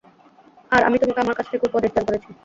আর আমি তোমাকে আমার কাছ থেকে উপদেশ দান করেছি।